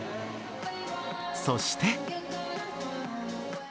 そして。